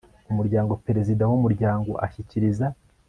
Umuryango Perezida w Umuryango ashyikiriza